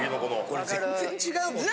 これ全然違うもんね。